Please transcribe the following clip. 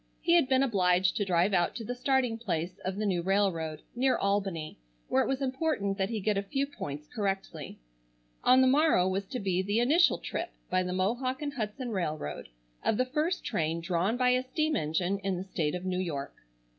He had been obliged to drive out to the starting place of the new railroad, near Albany, where it was important that he get a few points correctly. On the morrow was to be the initial trip, by the Mohawk and Hudson Railroad, of the first train drawn by a steam engine in the state of New York.